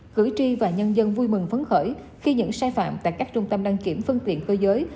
cử tri và nhân dân vui mừng phấn khởi khi những sai phạm tại các trung tâm đăng kiểm phương tiện cơ giới